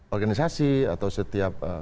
organisasi atau setiap